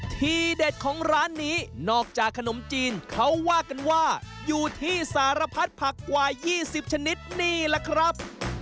ทีเด็ดของร้านนี้นอกจากขนมจีนเขาว่ากันว่าอยู่ที่สารพัดผักกว่า๒๐ชนิดนี่แหละครับ